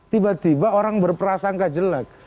tiba tiba orang berprasangka jelek